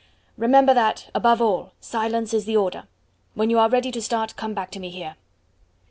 Remember that, above all, silence is the order. When you are ready to start, come back to me here."